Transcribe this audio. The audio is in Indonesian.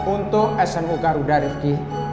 untuk smu garuda rifki